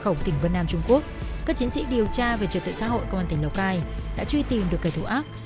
khẩu tỉnh vân nam trung quốc các chiến sĩ điều tra về trật tự xã hội công an tỉnh lào cai đã truy tìm được kẻ thù ác